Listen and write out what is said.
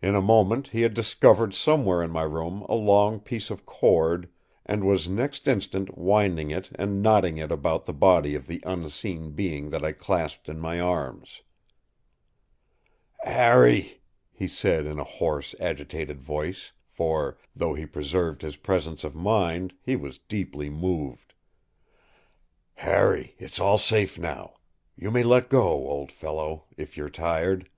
In a moment he had discovered somewhere in my room a long piece of cord, and was the next instant winding it and knotting it about the body of the unseen being that I clasped in my arms. “Harry,” he said, in a hoarse, agitated voice, for, though he preserved his presence of mind, he was deeply moved, “Harry, it’s all safe now. You may let go, old fellow, if you’re tired.